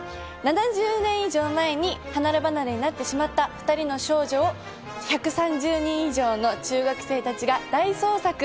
７０年以上前に離れ離れになってしまった２人の少女を１３０人以上の中学生たちが大捜索！